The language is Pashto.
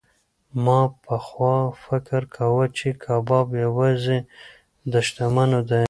ما پخوا فکر کاوه چې کباب یوازې د شتمنو دی.